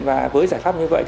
với giải pháp như vậy